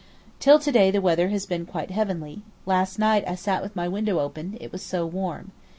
Till to day the weather has been quite heavenly; last night I sat with my window open, it was so warm.